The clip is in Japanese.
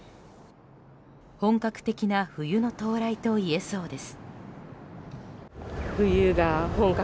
本格的な冬の到来といえそうです。